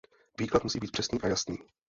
Výklad musí být přesný a jasný.